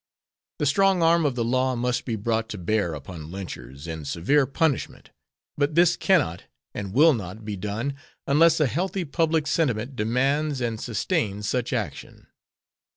The strong arm of the law must be brought to bear upon lynchers in severe punishment, but this cannot and will not be done unless a healthy public sentiment demands and sustains such action.